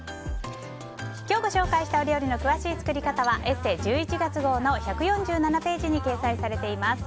今日ご紹介した料理の詳しい作り方は「ＥＳＳＥ」１１月号の１４７ページに掲載されています。